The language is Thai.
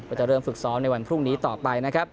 จะเริ่มฝึกซ้อมในวันพรุ่งนี้ต่อไปนะครับ